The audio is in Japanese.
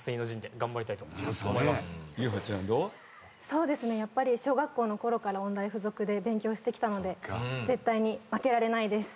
そうですねやっぱり小学校のころから音大附属で勉強してきたので絶対に負けられないです。